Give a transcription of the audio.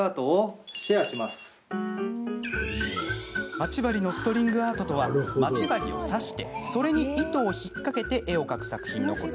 まち針のストリングアートとはまち針を刺してそれに糸を引っ掛けて絵を描く作品のこと。